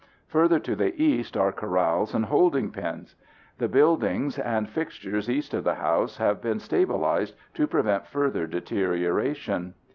Further to the east are corrals and holding pens. The buildings and fixtures east of the house have been stabilized to prevent further deterioration.